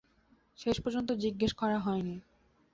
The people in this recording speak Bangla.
শেষ পর্যন্ত জিজ্ঞেস করা হয় নি।